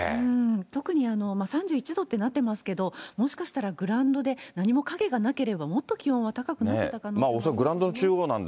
特に３１度ってなってますけども、もしかしたらグラウンドで何も影がなければもっと気温は高くなっ恐らくグラウンドの中央なん